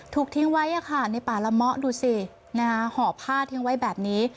ถูกทิ้งไว้ในป่าละเมาะดูสิห่อผ้าทิ้งไว้แบบนี้